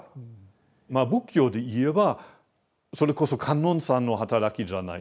仏教で言えばそれこそ観音さんの働きじゃないですか。